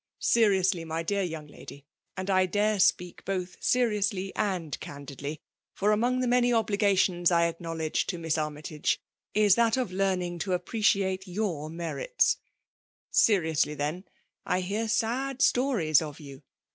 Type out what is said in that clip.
Seriously, my dear young kdy (and I dare speak botii sorr^usly and oaadi^, ft# among the maoiy obligations I aeknowledge to Miss Armytage, is that of learning to ap* predate your merits^) — seriously, then> I hear sad stories of you